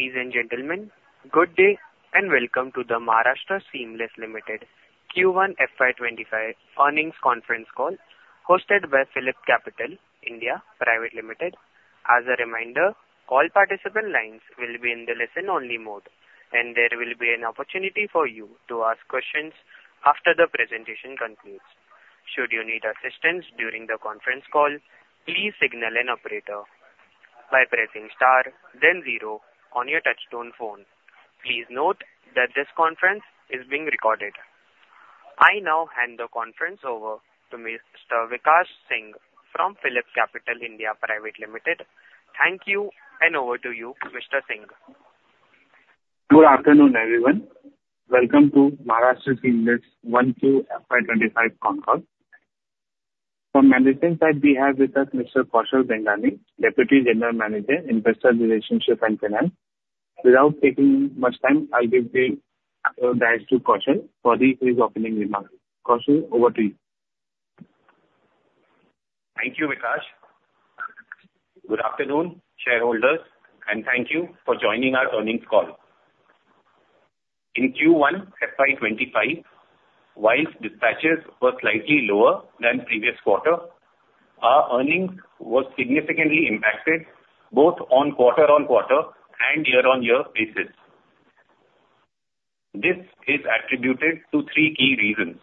...Ladies and gentlemen, good day, and welcome to the Maharashtra Seamless Limited Q1 FY 2025 earnings conference call, hosted by PhillipCapital India Private Limited. As a reminder, all participant lines will be in the listen-only mode, and there will be an opportunity for you to ask questions after the presentation concludes. Should you need assistance during the conference call, please signal an operator by pressing star then zero on your touchtone phone. Please note that this conference is being recorded. I now hand the conference over to Mr. Vikas Singh from PhillipCapital India Private Limited. Thank you, and over to you, Mr. Singh. Good afternoon, everyone. Welcome to Maharashtra Seamless Q1 FY 2025 conference. From management that we have with us, Mr. Kaushal Bengani, Deputy General Manager, Investor Relationship and Finance. Without taking much time, I'll give the guidance to Kaushal for his opening remarks. Kaushal, over to you. Thank you, Vikas. Good afternoon, shareholders, and thank you for joining our earnings call. In Q1 FY 2025, while dispatches were slightly lower than previous quarter, our earnings was significantly impacted both on quarter-on-quarter and year-on-year basis. This is attributed to three key reasons.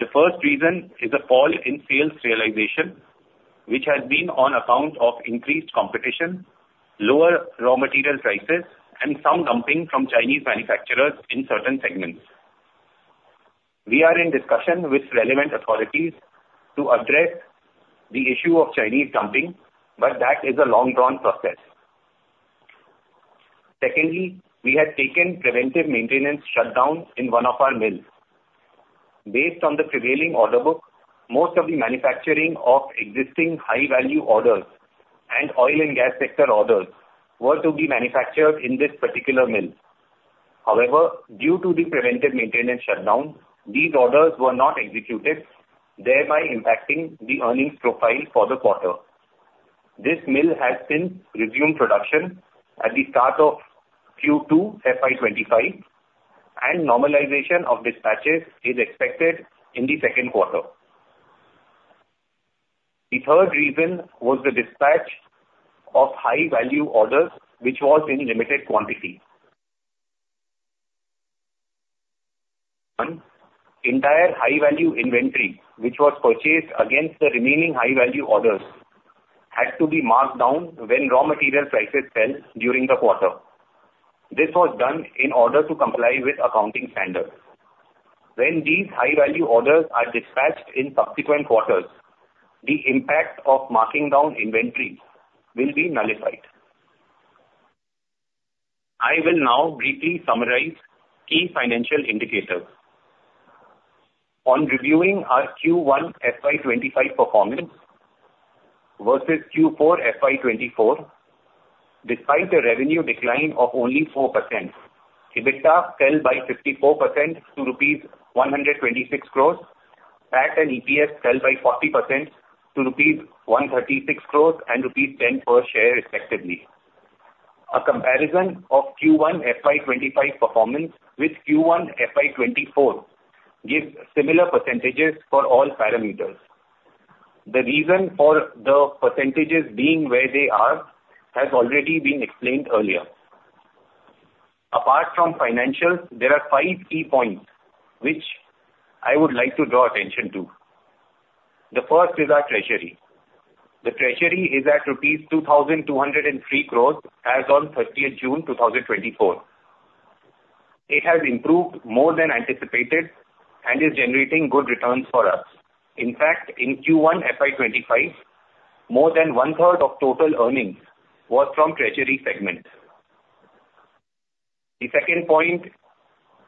The first reason is a fall in sales realization, which has been on account of increased competition, lower raw material prices, and some dumping from Chinese manufacturers in certain segments. We are in discussion with relevant authorities to address the issue of Chinese dumping, but that is a long drawn process. Secondly, we had taken preventive maintenance shutdown in one of our mills. Based on the prevailing order book, most of the manufacturing of existing high-value orders and oil and gas sector orders were to be manufactured in this particular mill. However, due to the preventive maintenance shutdown, these orders were not executed, thereby impacting the earnings profile for the quarter. This mill has since resumed production at the start of Q2 FY 2025, and normalization of dispatches is expected in the second quarter. The third reason was the dispatch of high-value orders, which was in limited quantity. The entire high-value inventory, which was purchased against the remaining high-value orders, had to be marked down when raw material prices fell during the quarter. This was done in order to comply with accounting standards. When these high-value orders are dispatched in subsequent quarters, the impact of marking down inventory will be nullified. I will now briefly summarize key financial indicators. On reviewing our Q1 FY 2025 performance versus Q4 FY 2024, despite a revenue decline of only 4%, EBITDA fell by 54% to rupees 126 crore, PAT and EPS fell by 40% to rupees 136 crore and rupees 10 per share, respectively. A comparison of Q1 FY 2025 performance with Q1 FY 2024 gives similar percentages for all parameters. The reason for the percentages being where they are, has already been explained earlier. Apart from financials, there are five key points which I would like to draw attention to. The first is our treasury. The treasury is at rupees 2,203 crore as on 30th June 2024. It has improved more than anticipated and is generating good returns for us. In fact, in Q1 FY 2025, more than one-third of total earnings was from treasury segment. The second point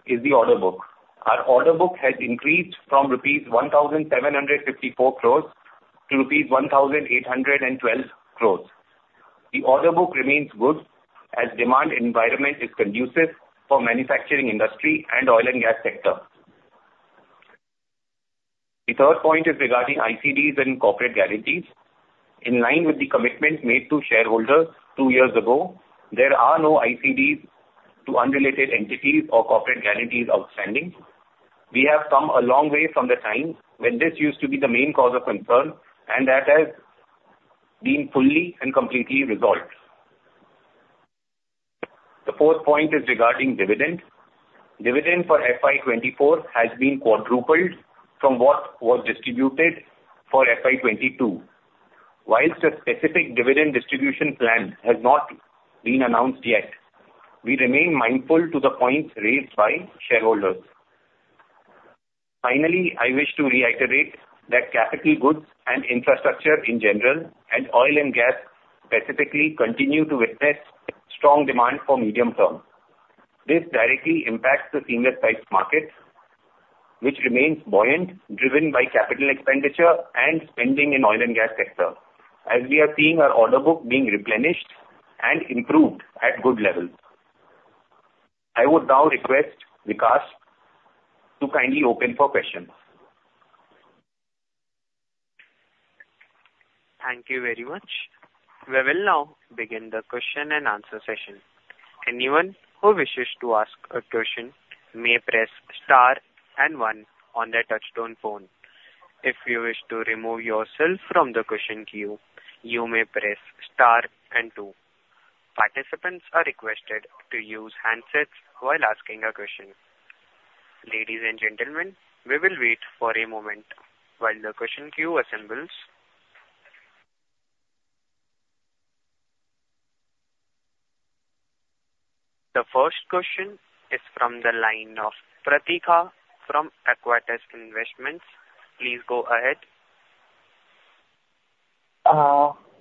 is the order book. Our order book has increased from rupees 1,754 crores to rupees 1,812 crores. The order book remains good as demand environment is conducive for manufacturing industry and oil and gas sector. The third point is regarding ICDs and corporate guarantees. In line with the commitment made to shareholders two years ago, there are no ICDs to unrelated entities or corporate guarantees outstanding. We have come a long way from the time when this used to be the main cause of concern, and that has been fully and completely resolved. The fourth point is regarding dividend. Dividend for FY 2024 has been quadrupled from what was distributed for FY 2022. While a specific dividend distribution plan has not been announced yet, we remain mindful to the points raised by shareholders. Finally, I wish to reiterate that capital goods and infrastructure in general, and oil and gas specifically, continue to witness strong demand for medium term. This directly impacts the seamless pipes market, which remains buoyant, driven by capital expenditure and spending in oil and gas sector, as we are seeing our order book being replenished and improved at good levels. I would now request Vikas to kindly open for questions. ...Thank you very much. We will now begin the question and answer session. Anyone who wishes to ask a question may press star and one on their touchtone phone. If you wish to remove yourself from the question queue, you may press star and two. Participants are requested to use handsets while asking a question. Ladies and gentlemen, we will wait for a moment while the question queue assembles. The first question is from the line of Pratika from Aequitas Investments. Please go ahead.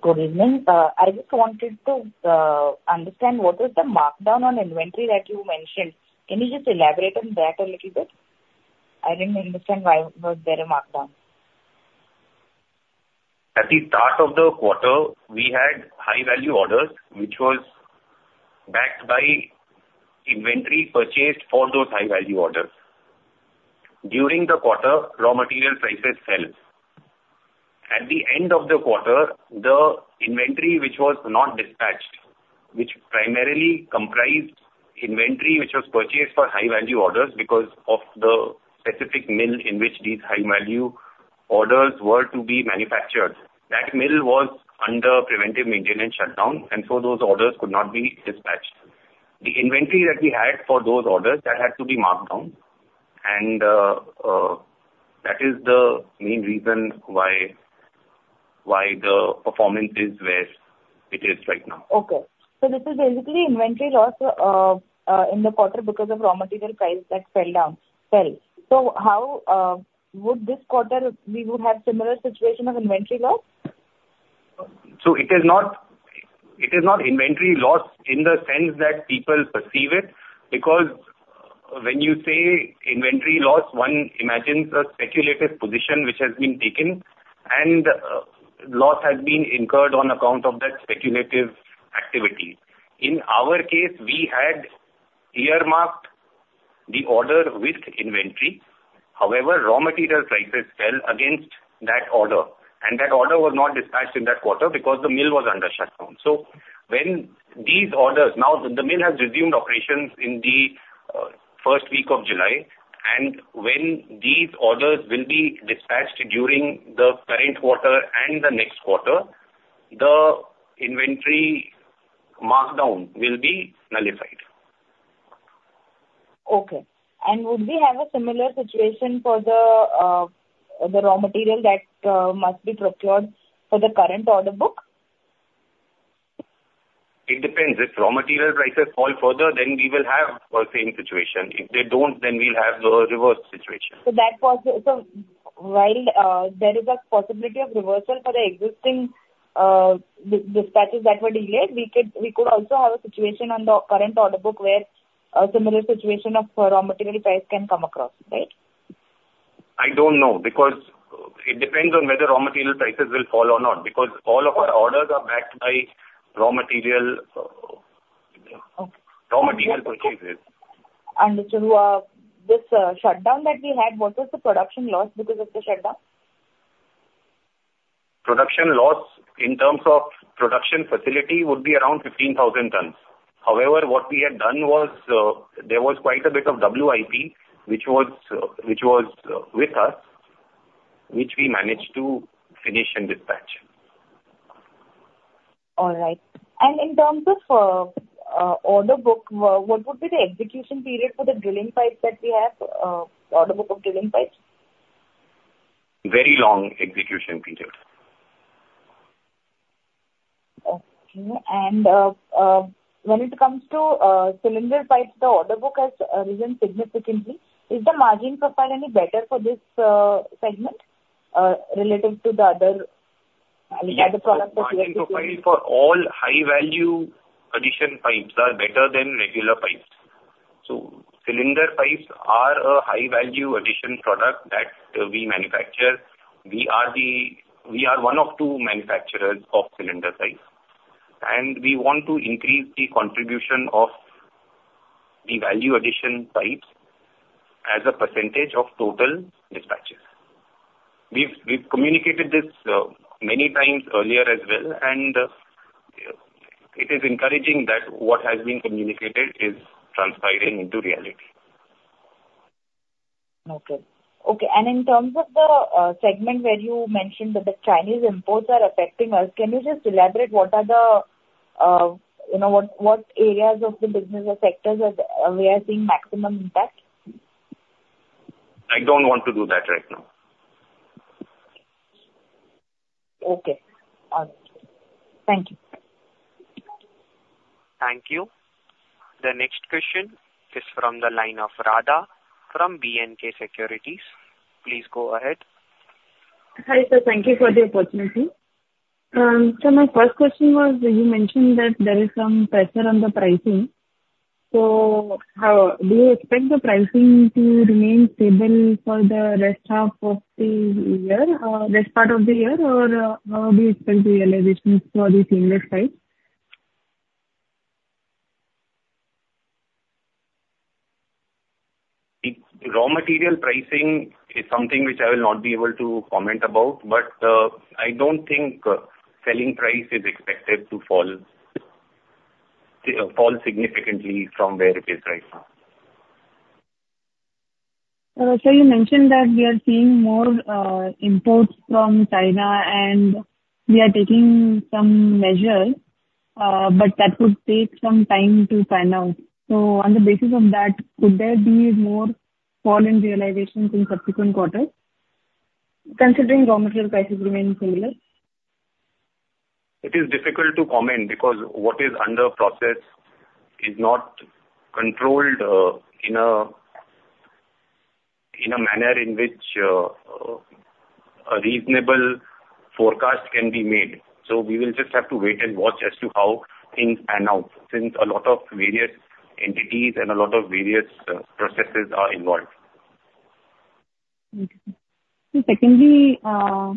Good evening. I just wanted to understand what is the markdown on inventory that you mentioned. Can you just elaborate on that a little bit? I didn't understand why was there a markdown? At the start of the quarter, we had high value orders, which was backed by inventory purchased for those high value orders. During the quarter, raw material prices fell. At the end of the quarter, the inventory which was not dispatched, which primarily comprised inventory which was purchased for high value orders because of the specific mill in which these high value orders were to be manufactured, that mill was under preventive maintenance shutdown, and so those orders could not be dispatched. The inventory that we had for those orders, that had to be marked down, and that is the main reason why the performance is where it is right now. Okay. So this is basically inventory loss in the quarter because of raw material price that fell down, fell. So how would this quarter we would have similar situation of inventory loss? So it is not, it is not inventory loss in the sense that people perceive it, because when you say inventory loss, one imagines a speculative position which has been taken, and, loss has been incurred on account of that speculative activity. In our case, we had earmarked the order with inventory. However, raw material prices fell against that order, and that order was not dispatched in that quarter because the mill was under shutdown. So when these orders... Now, the mill has resumed operations in the first week of July, and when these orders will be dispatched during the current quarter and the next quarter, the inventory markdown will be nullified. Okay. And would we have a similar situation for the raw material that must be procured for the current order book? It depends. If raw material prices fall further, then we will have a same situation. If they don't, then we'll have the reverse situation. So while there is a possibility of reversal for the existing dispatches that were delayed, we could also have a situation on the current order book where a similar situation of raw material price can come across, right? I don't know, because it depends on whether raw material prices will fall or not, because all of our orders are backed by raw material. Okay. Raw material purchases. Understood. This shutdown that we had, what was the production loss because of the shutdown? Production loss in terms of production facility would be around 15,000 tons. However, what we had done was, there was quite a bit of WIP, which was with us, which we managed to finish and dispatch. All right. In terms of order book, what would be the execution period for the drilling pipes that we have order book of drilling pipes? Very long execution period. Okay. And, when it comes to, cylinder pipes, the order book has risen significantly. Is the margin profile any better for this, segment, relative to the other, and the other products that you have? Yes, margin profile for all high value addition pipes are better than regular pipes. So cylinder pipes are a high value addition product that we manufacture. We are one of two manufacturers of cylinder pipes, and we want to increase the contribution of the value addition pipes as a percentage of total dispatches. We've communicated this many times earlier as well, and it is encouraging that what has been communicated is transpiring into reality. Okay. Okay, and in terms of the segment where you mentioned that the Chinese imports are affecting us, can you just elaborate what are the, you know, what, what areas of the business or sectors are, where you are seeing maximum impact? I don't want to do that right now. Okay. All right. Thank you. Thank you. The next question is from the line of Radha from B&K Securities. Please go ahead. Hi, sir. Thank you for the opportunity. So my first question was, you mentioned that there is some pressure on the pricing. So, do you expect the pricing to remain stable for the rest of the year, this part of the year, or how do you expect the realizations for the cylinder pipes?... The raw material pricing is something which I will not be able to comment about, but I don't think selling price is expected to fall significantly from where it is right now. So you mentioned that we are seeing more imports from China, and we are taking some measures, but that could take some time to pan out. So on the basis of that, could there be more fall in realizations in subsequent quarters, considering raw material prices remain similar? It is difficult to comment because what is under process is not controlled in a manner in which a reasonable forecast can be made. So we will just have to wait and watch as to how things pan out, since a lot of various entities and a lot of various processes are involved. Okay. So secondly,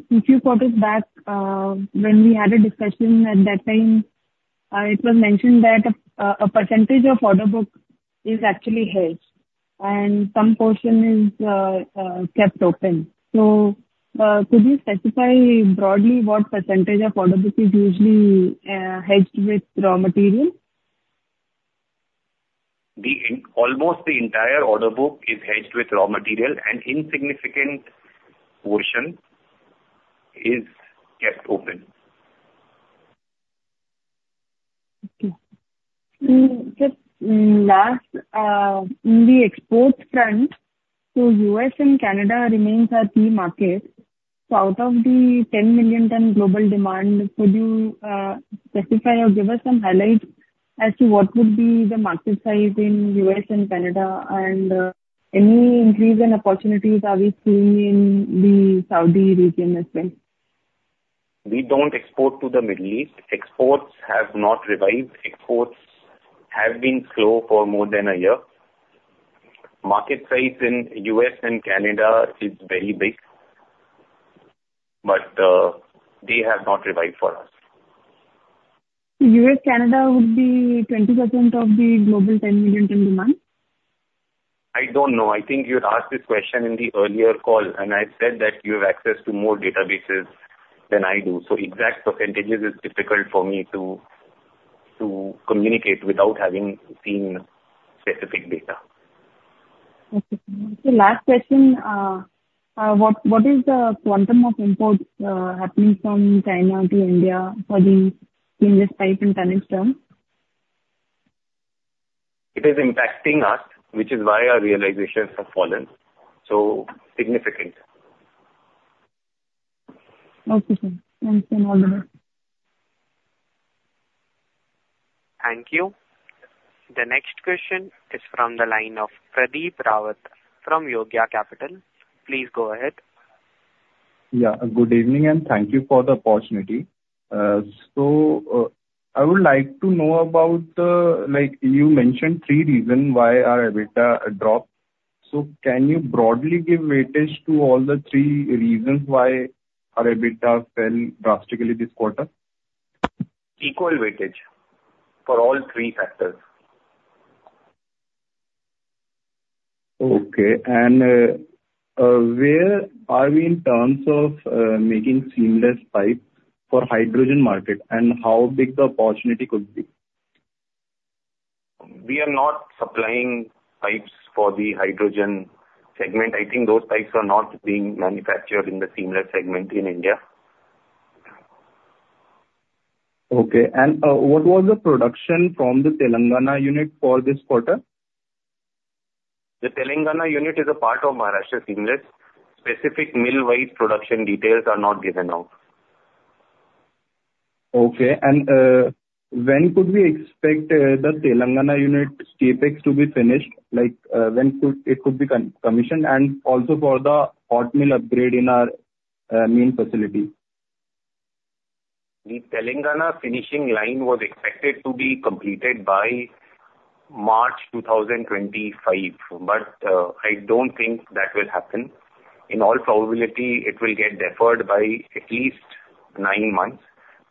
if you got us back, when we had a discussion at that time, it was mentioned that a percentage of order book is actually hedged and some portion is kept open. So, could you specify broadly what percentage of order book is usually hedged with raw material? Almost the entire order book is hedged with raw material, and insignificant portion is kept open. Okay. Just last, in the export front, so U.S. and Canada remains our key markets. So out of the 10 million ton global demand, could you specify or give us some highlights as to what would be the market size in U.S. and Canada? And, any increase in opportunities are we seeing in the Saudi region as well? We don't export to the Middle East. Exports have not revived. Exports have been slow for more than a year. Market size in U.S. and Canada is very big, but they have not revived for us. U.S., Canada would be 20% of the global 10 million ton demand? I don't know. I think you'd asked this question in the earlier call, and I said that you have access to more databases than I do. So exact percentages is difficult for me to communicate without having seen specific data. Okay. So last question, what is the quantum of imports happening from China to India for the seamless pipes in tonnage term? It is impacting us, which is why our realizations have fallen so significantly. Okay, sir. Thank you very much. Thank you. The next question is from the line of Pradeep Rawat from Yogya Capital. Please go ahead. Yeah, good evening, and thank you for the opportunity. So, I would like to know about, like you mentioned three reasons why our EBITDA dropped. So can you broadly give weightage to all the three reasons why our EBITDA fell drastically this quarter? Equal weightage for all three factors. Okay. Where are we in terms of making seamless pipes for hydrogen market, and how big the opportunity could be? We are not supplying pipes for the hydrogen segment. I think those pipes are not being manufactured in the seamless segment in India. Okay. What was the production from the Telangana unit for this quarter? The Telangana unit is a part of Maharashtra Seamless. Specific mill-wide production details are not given out. Okay. And when could we expect the Telangana unit CapEx to be finished? Like, when could it be commissioned, and also for the hot mill upgrade in our main facility? The Telangana finishing line was expected to be completed by March 2025, but, I don't think that will happen. In all probability, it will get deferred by at least 9 months,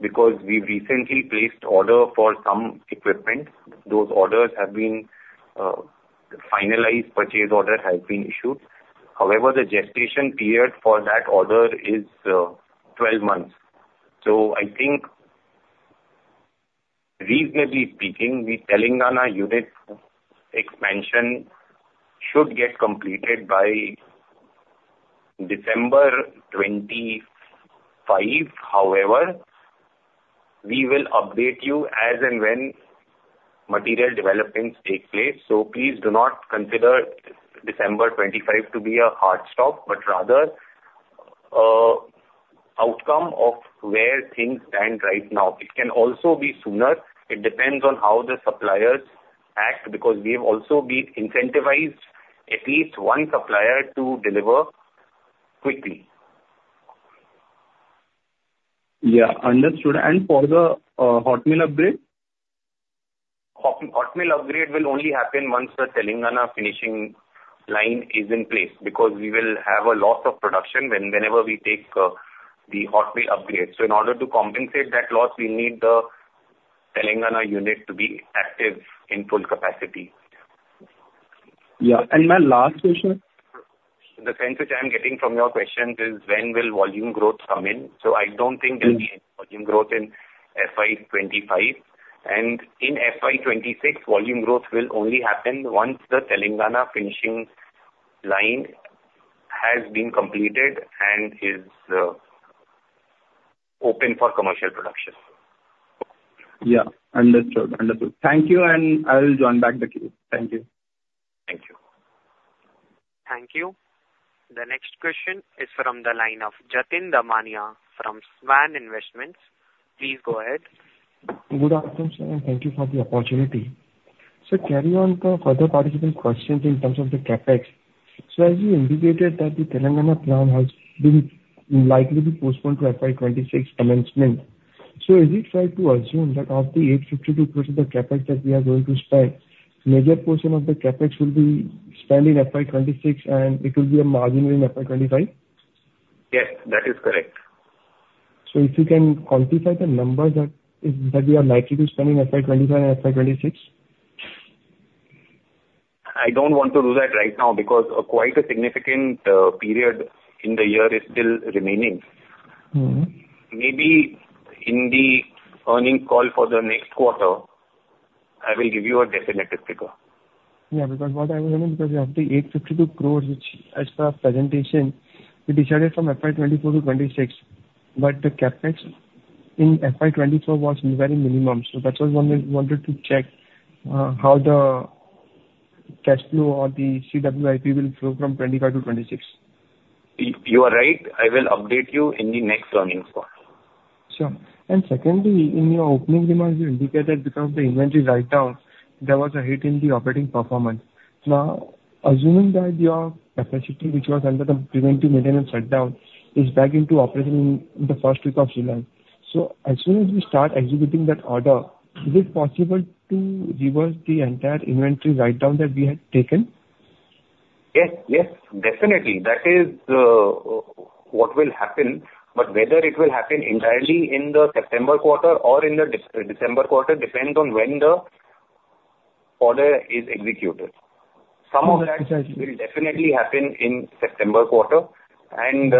because we've recently placed order for some equipment. Those orders have been finalized, purchase order has been issued. However, the gestation period for that order is 12 months. So I think, reasonably speaking, the Telangana unit expansion should get completed by December 2025. However, we will update you as and when material developments take place. So please do not consider December 2025 to be a hard stop, but rather, outcome of where things stand right now. It can also be sooner. It depends on how the suppliers act, because we've also been incentivized at least one supplier to deliver quickly. Yeah, understood. And for the hot mill upgrade? Hot mill upgrade will only happen once the Telangana finishing line is in place, because we will have a loss of production whenever we take the hot mill upgrade. So in order to compensate that loss, we need the Telangana unit to be active in full capacity. Yeah, and my last question? The sense which I'm getting from your questions is when will volume growth come in? So I don't think- Mm-hmm. -there'll be any volume growth in FY 2025. And in FY 2026, volume growth will only happen once the Telangana finishing line has been completed and is open for commercial production. Yeah. Understood. Understood. Thank you, and I will join back the queue. Thank you. Thank you. Thank you. The next question is from the line of Jatin Damania from Svan Investments. Please go ahead. Good afternoon, sir, and thank you for the opportunity. So carry on the further participant questions in terms of the CapEx. So as you indicated that the Telangana plant has been likely be postponed to FY 2026 commencement. So is it fair to assume that of the 85.2% of CapEx that we are going to spend, major portion of the CapEx will be spent in FY 2026, and it will be a margin in FY 2025? Yes, that is correct. If you can quantify the number that we are likely to spend in FY25 and FY26. I don't want to do that right now because, quite a significant period in the year is still remaining. Mm-hmm. Maybe in the earnings call for the next quarter, I will give you a definitive figure. Yeah, because what I was learning, because of the 852 crore, which as per presentation, we decided from FY 2024 to 2026, but the CapEx in FY 2024 was very minimum. So that's what I wanted to check, how the cash flow or the CWIP will flow from 2025 to 2026. You, you are right. I will update you in the next earnings call. Sure. And secondly, in your opening remarks, you indicated because of the inventory write down, there was a hit in the operating performance. Now, assuming that your capacity, which was under the preventive maintenance shutdown, is back into operation in the first week of July. So as soon as you start executing that order, is it possible to reverse the entire inventory write down that we had taken? Yes, yes, definitely. That is, what will happen, but whether it will happen entirely in the September quarter or in the December quarter, depends on when the order is executed. 执行. Some of that will definitely happen in September quarter, and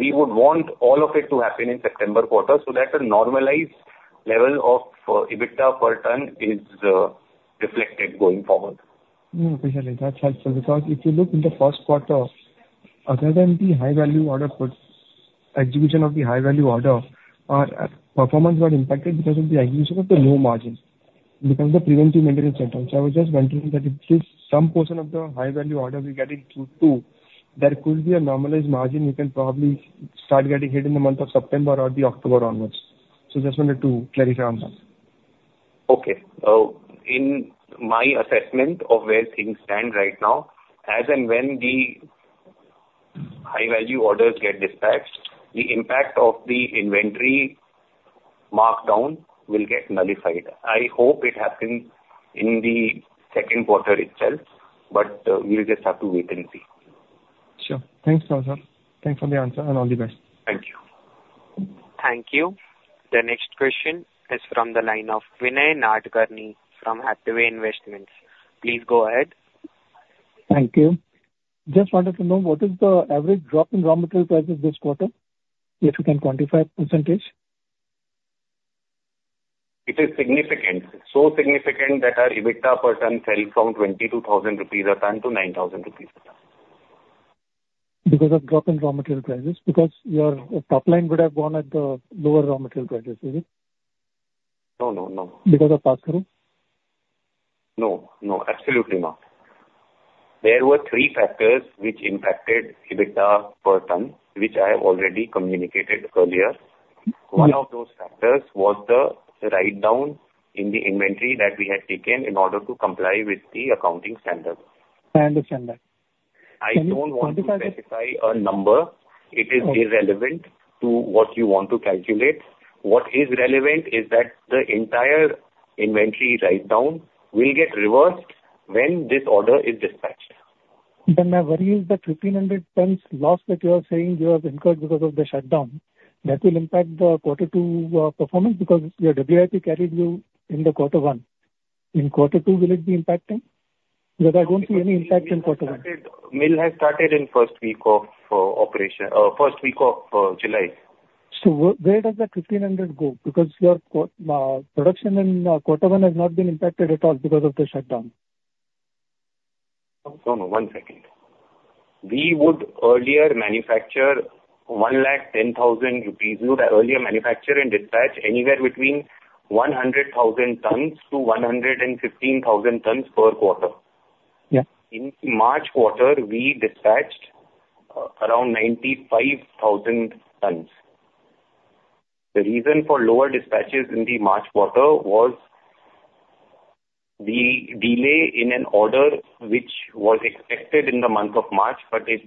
we would want all of it to happen in September quarter, so that a normalized level of EBITDA per ton is reflected going forward. Okay. That helps because if you look in the first quarter, other than the high value order put, execution of the high value order, our performance got impacted because of the execution of the low margin, because the preventive maintenance shutdown. So I was just wondering that if at least some portion of the high value order we getting through to, there could be a normalized margin you can probably start getting in the month of September or the October onwards. So just wanted to clarify on that. Okay. In my assessment of where things stand right now, as and when the high value orders get dispatched, the impact of the inventory markdown will get nullified. I hope it happens in the second quarter itself, but, we'll just have to wait and see. Sure. Thanks a lot, sir. Thanks for the answer and all the best. Thank you. Thank you. The next question is from the line of Vinay Nadkarni from Hathway Investments. Please go ahead. Thank you. Just wanted to know what is the average drop in raw material prices this quarter, if you can quantify percentage? It is significant. So significant that our EBITDA per ton fell from 22,000 rupees a ton to 9,000 rupees a ton. Because of drop in raw material prices? Because your top line could have gone at the lower raw material prices, is it? No, no, no. Because of pass through? No, no, absolutely not. There were three factors which impacted EBITDA per ton, which I have already communicated earlier. Mm-hmm. One of those factors was the write down in the inventory that we had taken in order to comply with the accounting standard. I understand that. I don't want to- Quantify it? -specify a number. Okay. It is irrelevant to what you want to calculate. What is relevant is that the entire inventory write-down will get reversed when this order is dispatched. Then my worry is that 1,500 tons loss that you are saying you have incurred because of the shutdown, that will impact the quarter two performance, because your WIP carried you in the quarter one. In quarter two, will it be impacting? Because I don't see any impact in quarter one. Mill has started in first week of operation, first week of July. So where does the 1,500 go? Because your production in quarter one has not been impacted at all because of the shutdown. No, no, one second. We would earlier manufacture 110,000 rupees. We would earlier manufacture and dispatch anywhere between 100,000 tons-INR 115,000 tons per quarter. Yeah. In March quarter, we dispatched around 95,000 tons. The reason for lower dispatches in the March quarter was the delay in an order which was expected in the month of March, but it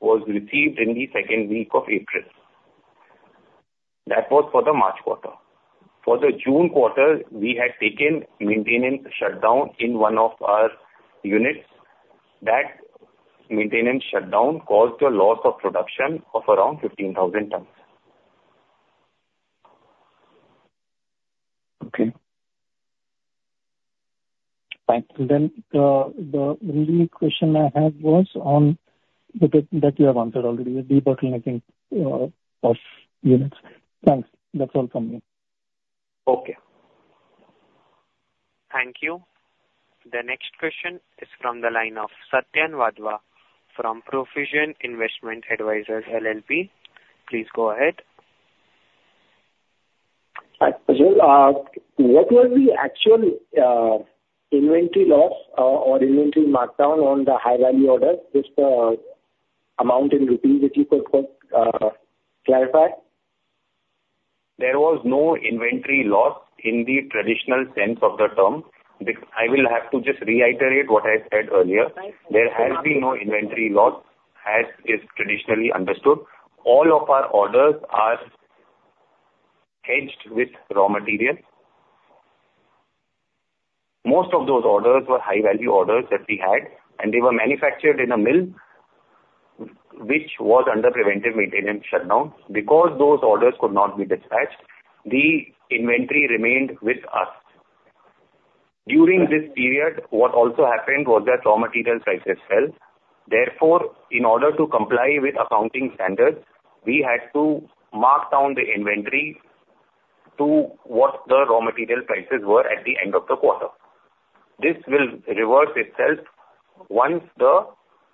was received in the second week of April. That was for the March quarter. For the June quarter, we had taken maintenance shutdown in one of our units. That maintenance shutdown caused a loss of production of around 15,000 tons. Okay. Thanks. And then the only question I had was on the bit that you have answered already, the bottlenecking of units. Thanks. That's all from me. Okay. Thank you. The next question is from the line of Satyan Wadhwa from Profusion Investment Advisors LLP. Please go ahead. Hi, Ajay, what was the actual inventory loss or inventory markdown on the high-value order? Just the amount in rupees if you could clarify. There was no inventory loss in the traditional sense of the term. I will have to just reiterate what I said earlier. There has been no inventory loss, as is traditionally understood. All of our orders are hedged with raw materials. Most of those orders were high-value orders that we had, and they were manufactured in a mill which was under preventive maintenance shutdown. Because those orders could not be dispatched, the inventory remained with us. During this period, what also happened was that raw material prices fell. Therefore, in order to comply with accounting standards, we had to mark down the inventory to what the raw material prices were at the end of the quarter. This will reverse itself once the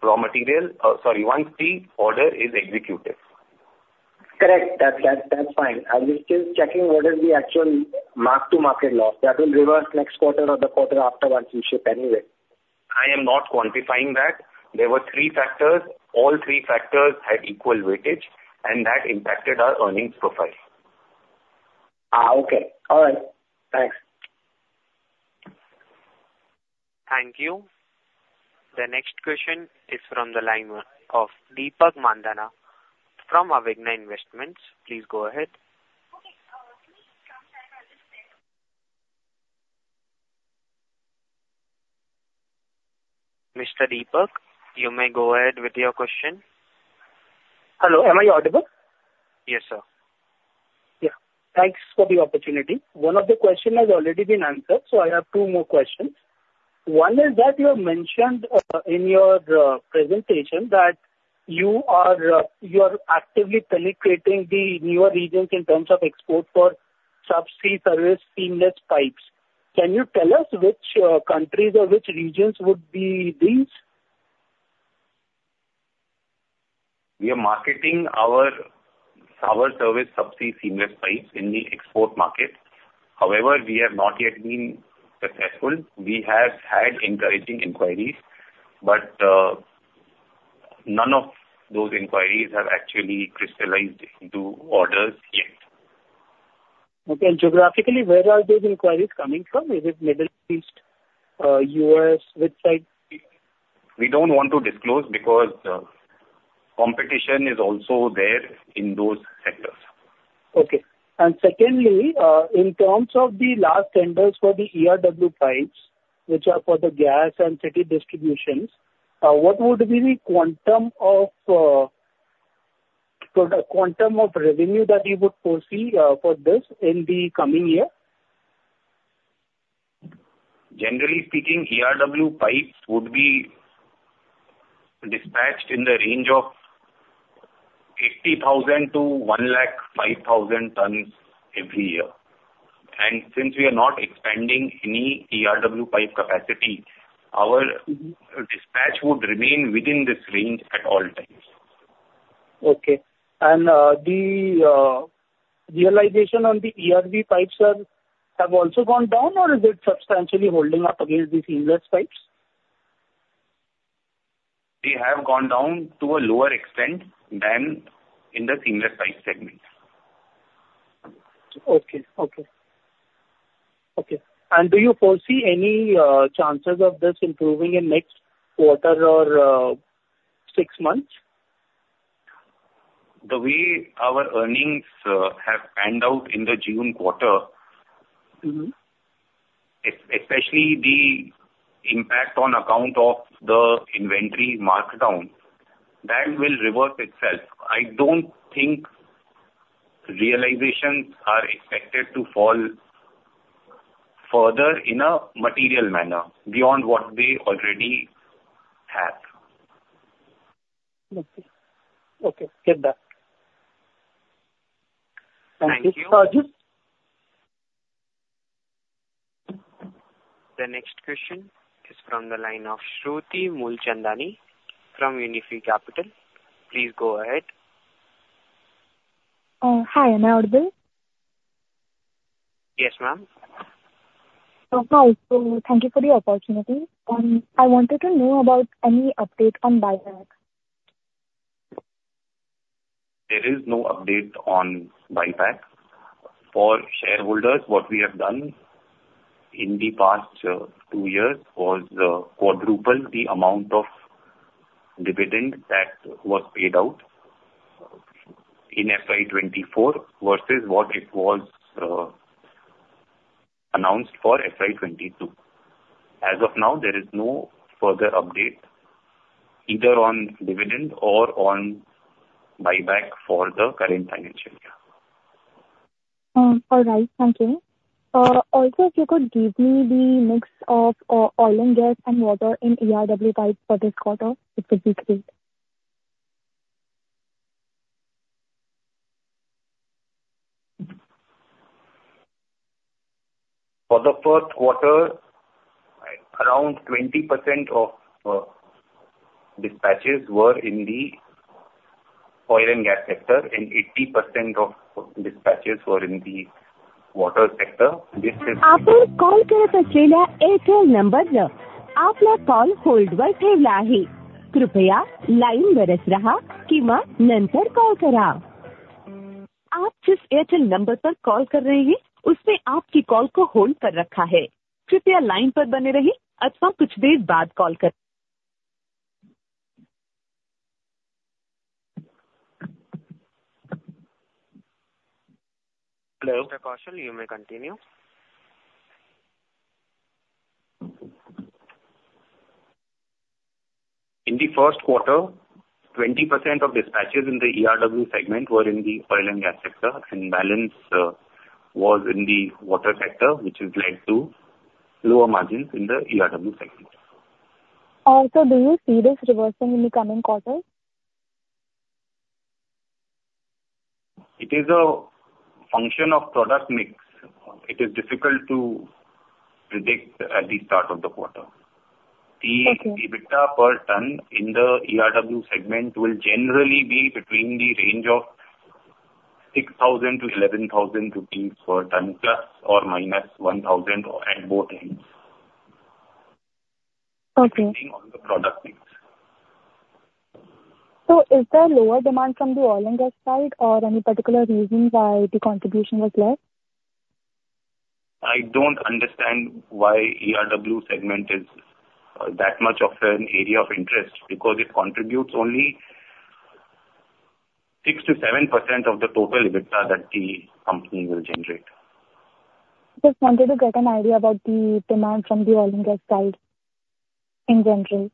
raw material... sorry, once the order is executed. Correct. That, that's fine. I was just checking what is the actual mark-to-market loss. That will reverse next quarter or the quarter after once you ship anyway. I am not quantifying that. There were three factors. All three factors had equal weightage, and that impacted our earnings profile. Ah, okay. All right. Thanks. Thank you. The next question is from the line of Deepak Mandhana from Avighna Investments. Please go ahead. Mr. Deepak, you may go ahead with your question. Hello, am I audible? Yes, sir. Yeah. Thanks for the opportunity. One of the question has already been answered, so I have two more questions. One is that you have mentioned in your presentation that you are actively penetrating the newer regions in terms of export for subsea service seamless pipes. Can you tell us which countries or which regions would be these? We are marketing our subsea service seamless pipes in the export market. However, we have not yet been successful. We have had encouraging inquiries, but none of those inquiries have actually crystallized into orders yet. Okay. Geographically, where are those inquiries coming from? Is it Middle East, U.S., which side? We don't want to disclose, because, competition is also there in those sectors. Okay. And secondly, in terms of the large tenders for the ERW pipes, which are for the gas and city distributions, what would be the quantum of, the quantum of revenue that you would foresee, for this in the coming year? Generally speaking, ERW pipes would be dispatched in the range of 80,000-105,000 tonnes every year. Since we are not expanding any ERW pipe capacity, our dispatch would remain within this range at all times. Okay. And the realization on the ERW pipes are, have also gone down, or is it substantially holding up against the seamless pipes? They have gone down to a lower extent than in the seamless pipe segment. Okay, okay. Okay, and do you foresee any chances of this improving in next quarter or six months? The way our earnings have panned out in the June quarter- Mm-hmm. Especially the impact on account of the inventory markdown, that will reverse itself. I don't think realizations are expected to fall further in a material manner beyond what they already have. Okay. Okay, fair enough. Thank you. Thank you, Ajay. The next question is from the line of Shruti Mulchandani from Unifi Capital. Please go ahead. Hi, am I audible? Yes, ma'am. Hi. Thank you for the opportunity. I wanted to know about any update on buyback. There is no update on buyback. For shareholders, what we have done in the past two years was quadruple the amount of dividend that was paid out in FY 2024 versus what it was announced for FY 2022. As of now, there is no further update, either on dividend or on buyback for the current financial year. All right, thank you. Also, if you could give me the mix of oil and gas and water in ERW pipes for this quarter, it would be great. For the first quarter, around 20% of dispatches were in the oil and gas sector, and 80% of dispatches were in the water sector. This is- Airtel number, Airtel call hold. Hello? Kaushal, you may continue. In the first quarter, 20% of dispatches in the ERW segment were in the oil and gas sector, and balance was in the water sector, which has led to lower margins in the ERW segment. Also, do you see this reversing in the coming quarters? It is a function of product mix. It is difficult to predict at the start of the quarter. Okay. The EBITDA per ton in the ERW segment will generally be between the range of 6,000-11,000 rupees per ton, ±1,000 at both ends. Okay. Depending on the product mix. So is there lower demand from the oil and gas side or any particular reason why the contribution was less? I don't understand why ERW segment is that much of an area of interest, because it contributes only 6%-7% of the total EBITDA that the company will generate. Just wanted to get an idea about the demand from the oil and gas side, in general.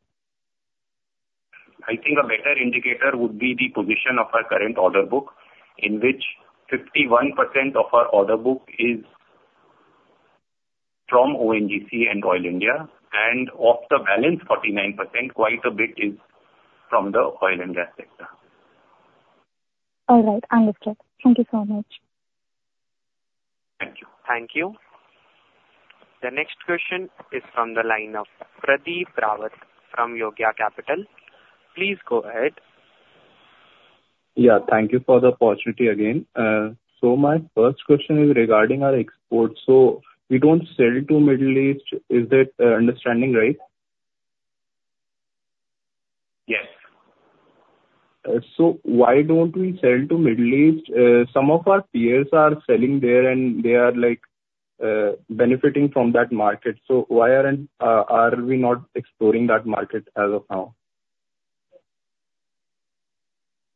I think a better indicator would be the position of our current order book, in which 51% of our order book is from ONGC and Oil India, and of the balance 49%, quite a bit is from the oil and gas sector. All right, understood. Thank you so much. Thank you. Thank you. The next question is from the line of Pradeep Rawat from Yogya Capital. Please go ahead. Yeah, thank you for the opportunity again. So my first question is regarding our exports. So we don't sell to Middle East. Is that understanding right? Yes. So why don't we sell to Middle East? Some of our peers are selling there, and they are like benefiting from that market. So why aren't we exploring that market as of now?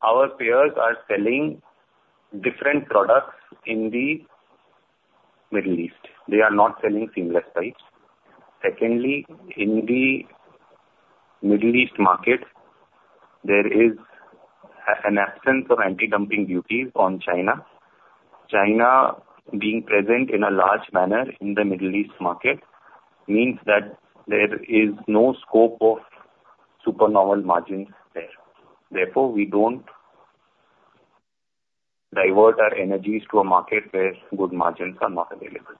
Our peers are selling different products in the Middle East. They are not selling seamless pipes. Secondly, in the Middle East market, there is an absence of anti-dumping duties on China. China being present in a large manner in the Middle East market means that there is no scope of supernormal margins there. Therefore, we don't divert our energies to a market where good margins are not available.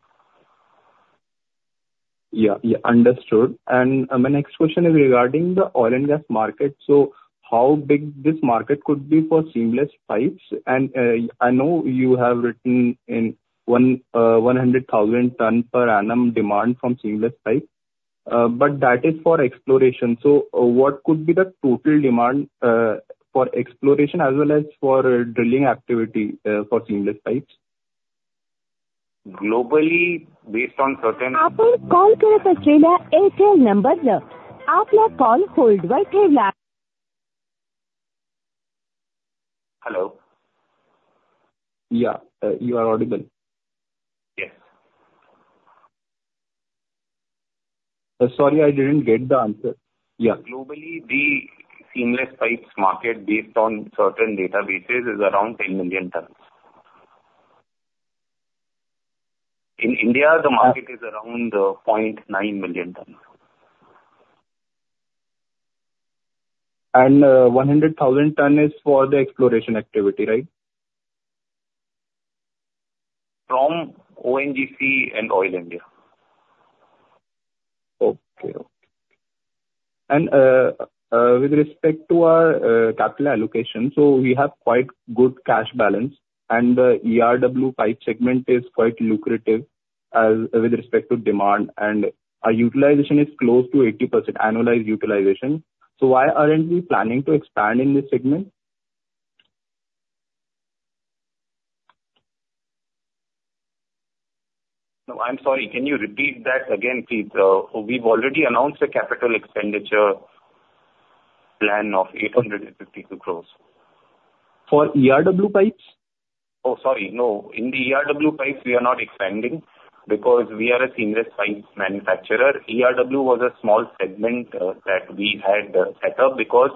Yeah, yeah, understood. And my next question is regarding the oil and gas market. So how big this market could be for seamless pipes? And, I know you have written in 100,000 ton per annum demand from seamless pipes, but that is for exploration. So what could be the total demand for exploration as well as for drilling activity for seamless pipes? Globally, based on certain- Airtel number, Airtel call hold. Hello? Yeah, you are audible. Yes. Sorry, I didn't get the answer. Yeah. Globally, the seamless pipes market, based on certain databases, is around 10 million tons. In India, the market is around 0.9 million tons. 100,000 ton is for the exploration activity, right? From ONGC and Oil India. Okay. With respect to our capital allocation, so we have quite good cash balance, and ERW pipe segment is quite lucrative as with respect to demand, and our utilization is close to 80%, annualized utilization. So why aren't we planning to expand in this segment? No, I'm sorry. Can you repeat that again, please? We've already announced a capital expenditure plan of 852 crores. For ERW pipes? Oh, sorry, no. In the ERW pipes, we are not expanding because we are a seamless pipes manufacturer. ERW was a small segment that we had set up, because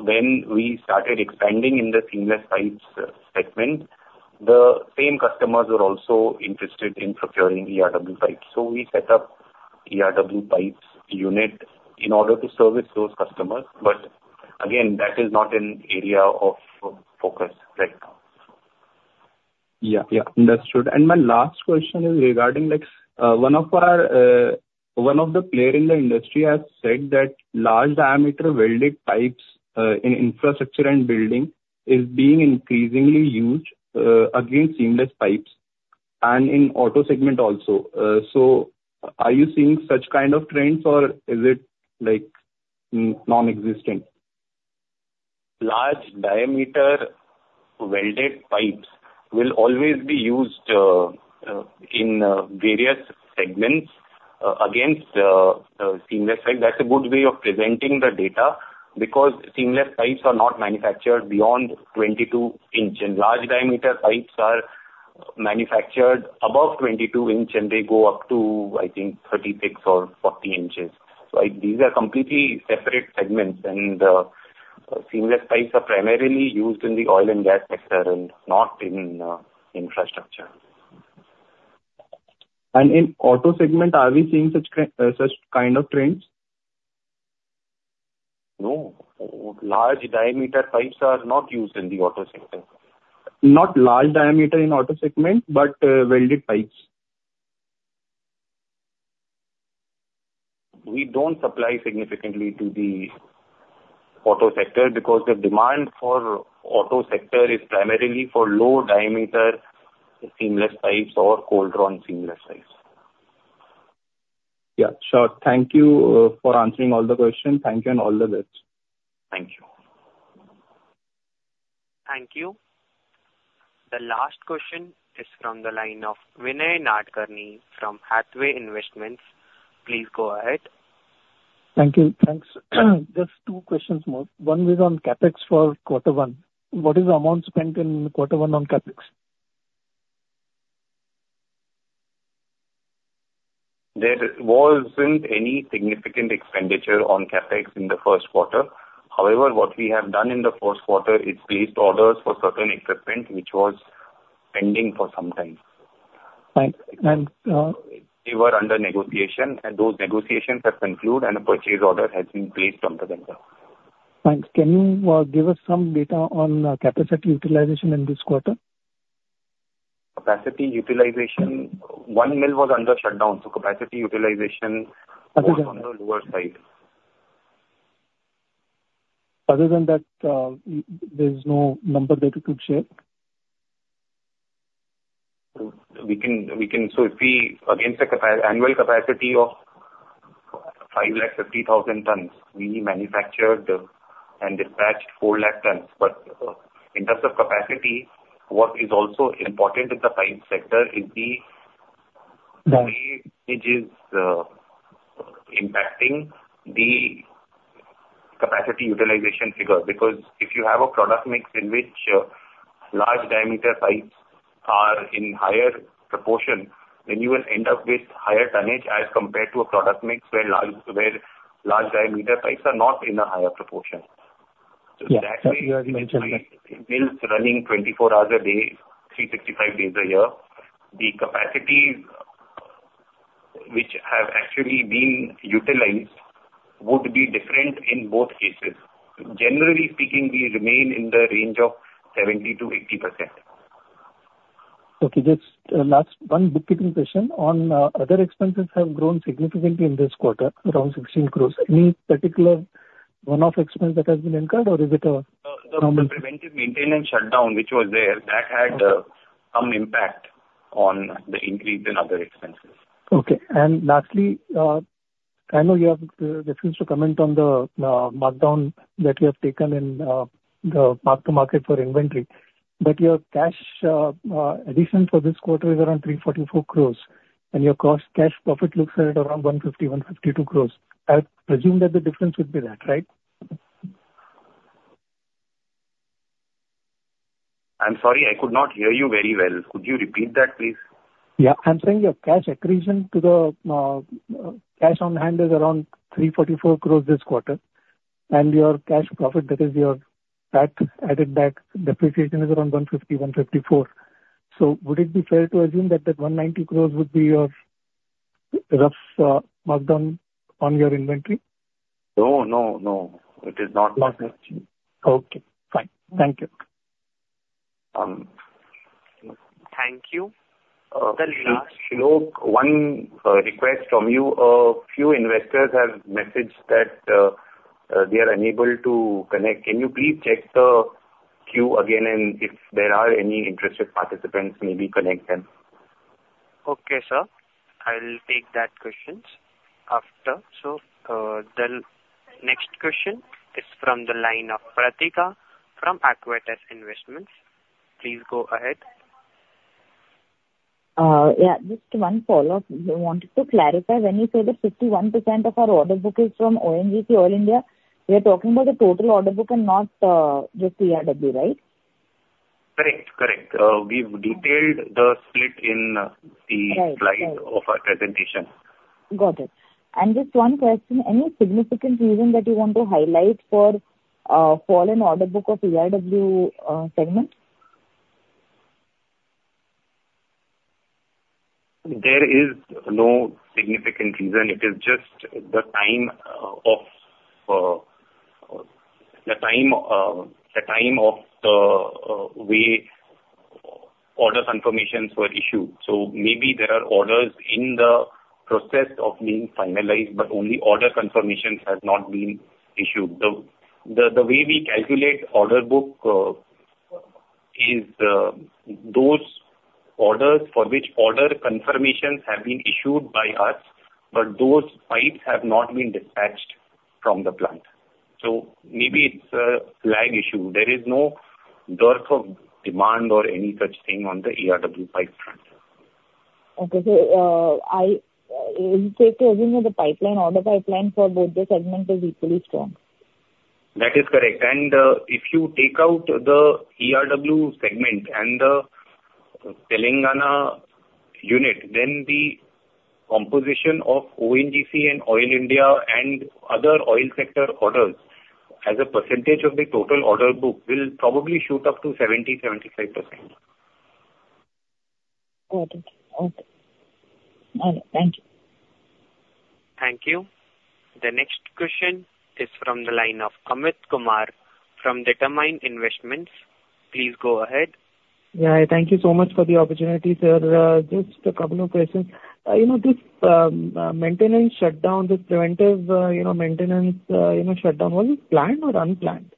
when we started expanding in the seamless pipes segment, the same customers were also interested in procuring ERW pipes. So we set up ERW pipes unit in order to service those customers, but again, that is not an area of focus right now. Yeah, yeah. Understood. And my last question is regarding like, one of our, one of the player in the industry has said that large diameter welded pipes in infrastructure and building is being increasingly used against seamless pipes and in auto segment also. So are you seeing such kind of trends or is it, like, nonexistent? Large diameter welded pipes will always be used in various segments against seamless pipes. That's a good way of presenting the data, because seamless pipes are not manufactured beyond 22 in, and large diameter pipes are manufactured above 22 in, and they go up to, I think, 36 or 40 inches. Like, these are completely separate segments, and seamless pipes are primarily used in the oil and gas sector and not in infrastructure. In auto segment, are we seeing such trend, such kind of trends? No. Large diameter pipes are not used in the auto segment. Not large diameter in auto segment, but welded pipes. We don't supply significantly to the auto sector because the demand for auto sector is primarily for low diameter seamless pipes or cold-drawn seamless pipes. Yeah, sure. Thank you, for answering all the questions. Thank you and all the best. Thank you. Thank you. The last question is from the line of Vinay Nadkarni from Hathaway Investments. Please go ahead. Thank you. Thanks. Just two questions more. One is on CapEx for quarter one. What is the amount spent in quarter one on CapEx? There wasn't any significant expenditure on CapEx in the first quarter. However, what we have done in the first quarter is placed orders for certain equipment, which was pending for some time. Right. They were under negotiation, and those negotiations have concluded, and a purchase order has been placed on to them now. Thanks. Can you give us some data on capacity utilization in this quarter? Capacity utilization, 1 mil was under shutdown, so capacity utilization- Okay... was on the lower side. Other than that, there's no number that you could share? So if we, against the capacity of 550,000 tons, we manufactured and dispatched 400,000 tons. But, in terms of capacity, what is also important in the pipe sector is the- Mm-hmm way it is, impacting the capacity utilization figure. Because if you have a product mix in which, large diameter pipes are in higher proportion, then you will end up with higher tonnage as compared to a product mix where large diameter pipes are not in a higher proportion. Yeah. That you have mentioned. So actually, mills running 24 hours a day, 365 days a year, the capacity which have actually been utilized would be different in both cases. Generally speaking, we remain in the range of 70%-80%. Okay, just last one bookkeeping question. On other expenses have grown significantly in this quarter, around 16 crore. Any particular one-off expense that has been incurred, or is it a normal? The preventive maintenance shutdown which was there, that had- Okay Some impact on the increase in other expenses. Okay. And lastly, I know you have refused to comment on the markdown that you have taken in the mark to market for inventory, but your cash addition for this quarter is around 344 crore, and your cost cash profit looks at around 150 crore-152 crore. I'll presume that the difference would be that, right? I'm sorry, I could not hear you very well. Could you repeat that, please? Yeah. I'm saying your cash accretion to the, cash on hand is around 344 crores this quarter, and your cash profit, that is your tax, added back, depreciation is around 150, 154. So would it be fair to assume that that 190 crores would be your rough, markdown on your inventory? No, no, no. It is not. Okay, fine. Thank you. Um. Thank you. The last- Shlok, one request from you. A few investors have messaged that they are unable to connect. Can you please check the queue again, and if there are any interested participants, maybe connect them? Okay, sir. I'll take that question after. So, the next question is from the line of Pratika from Aequitas Investments. Please go ahead.... Yeah, just one follow-up. I wanted to clarify, when you say that 51% of our order book is from ONGC, Oil India, we are talking about the total order book and not just ERW, right? Correct, correct. We've detailed the split in, the- Right, right. Slide of our presentation. Got it. And just one question, any significant reason that you want to highlight for fall in order book of ERW segment? There is no significant reason. It is just the time of the way order confirmations were issued. So maybe there are orders in the process of being finalized, but only order confirmation has not been issued. The way we calculate order book is those orders for which order confirmations have been issued by us, but those pipes have not been dispatched from the plant. So maybe it's a lag issue. There is no dearth of demand or any such thing on the ERW pipe front. Okay. So, is it safe to assume that the pipeline order pipeline for both the segment is equally strong? That is correct. And, if you take out the ERW segment and the Telangana unit, then the composition of ONGC and Oil India and other oil sector orders, as a percentage of the total order book, will probably shoot up to 70%-75%. Got it. Okay. All right. Thank you. Thank you. The next question is from the line of Amit Kumar from Determined Investments. Please go ahead. Yeah, thank you so much for the opportunity, sir. Just a couple of questions. You know, this maintenance shutdown, this preventive, you know, maintenance, you know, shutdown, was it planned or unplanned?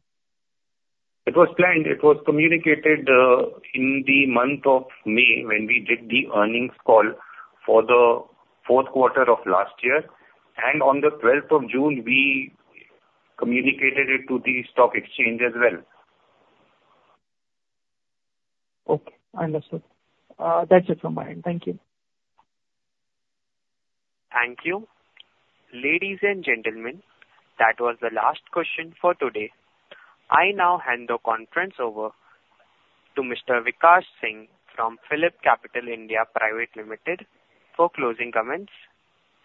It was planned. It was communicated in the month of May, when we did the earnings call for the fourth quarter of last year. And on the twelfth of June, we communicated it to the stock exchange as well. Okay, understood. That's it from my end. Thank you. Thank you. Ladies and gentlemen, that was the last question for today. I now hand the conference over to Mr. Vikas Singh from Philip Capital India Private Limited for closing comments.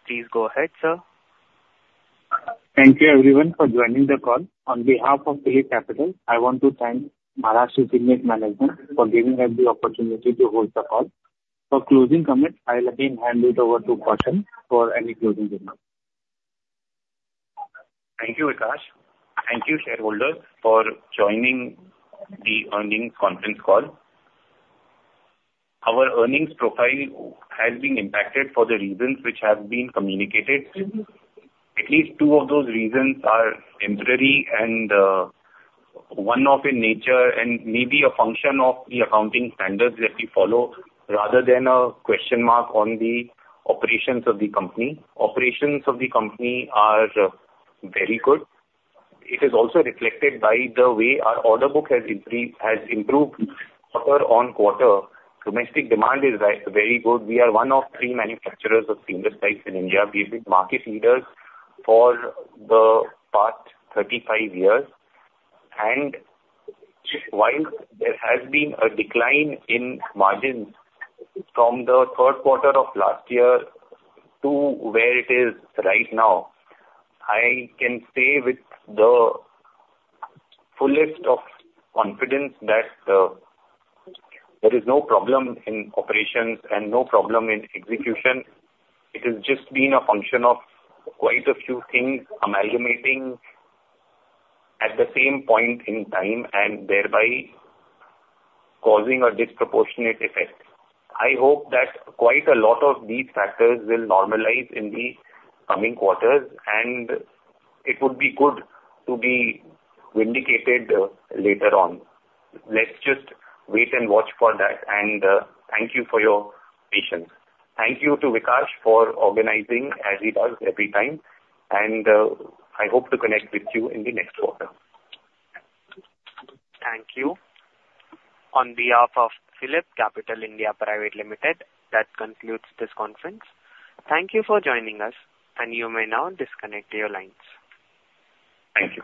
Please go ahead, sir. Thank you, everyone, for joining the call. On behalf of Philip Capital, I want to thank Maharashtra Seamless Limited for giving us the opportunity to host the call. For closing comments, I'll again hand it over to Kaushal for any closing remarks. Thank you, Vikas. Thank you, shareholders, for joining the earnings conference call. Our earnings profile has been impacted for the reasons which have been communicated. At least two of those reasons are temporary and one-off in nature, and may be a function of the accounting standards that we follow, rather than a question mark on the operations of the company. Operations of the company are very good. It is also reflected by the way our order book has improved quarter on quarter. Domestic demand is very good. We are one of three manufacturers of seamless pipes in India. We've been market leaders for the past 35 years, and while there has been a decline in margins from the third quarter of last year to where it is right now, I can say with the fullest of confidence that there is no problem in operations and no problem in execution. It has just been a function of quite a few things amalgamating at the same point in time, and thereby causing a disproportionate effect. I hope that quite a lot of these factors will normalize in the coming quarters, and it would be good to be vindicated later on. Let's just wait and watch for that, and thank you for your patience. Thank you to Vikas for organizing, as he does every time, and I hope to connect with you in the next quarter. Thank you. On behalf of PhillipCapital India Private Limited, that concludes this conference. Thank you for joining us, and you may now disconnect your lines. Thank you.